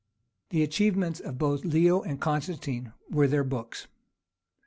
The chief achievements of both Leo and Constantine were their books.